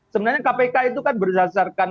sebenarnya kpk itu kan berdasarkan